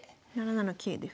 ７七桂で。